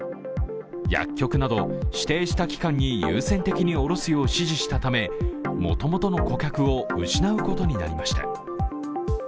薬局など指定した機関に優先的に卸すよう指示したためもともとの顧客を失うことになりました。